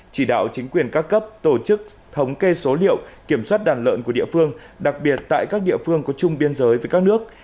chỉ đạo chính quyền các cấp tổ chức thống kê số liệu kiểm soát đàn lợn của địa phương đặc biệt tại các địa phương có chung biên giới với các nước